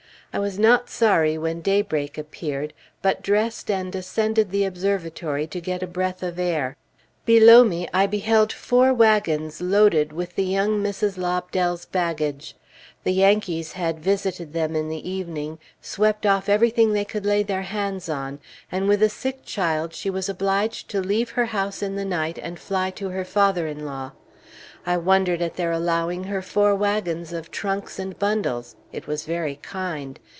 I was not sorry when daybreak appeared, but dressed and ascended the observatory to get a breath of air. Below me, I beheld four wagons loaded with the young Mrs. Lobdell's baggage. The Yankees had visited them in the evening, swept off everything they could lay their hands on, and with a sick child she was obliged to leave her house in the night and fly to her father in law. I wondered at their allowing her four wagons of trunks and bundles; it was very kind.